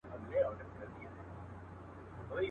وطن مو خپل پاچا مو خپل طالب مُلا مو خپل وو.